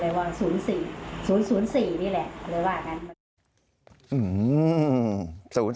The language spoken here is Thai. เลยว่า๐๔๔ดีแหละ